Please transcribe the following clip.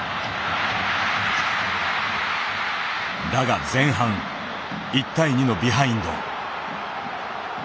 だが前半１対２のビハインド。